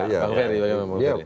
ya gitu saja